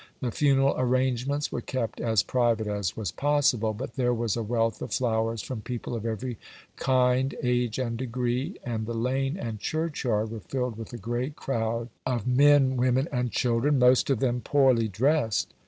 The funeral arrangements were kept as private as was possible; but there was a wealth of flowers from people of every kind, age, and degree, and the lane and churchyard were filled with a great crowd of men, women, and children, most of them poorly dressed.